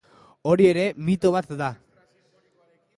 Hori ere mito bat da.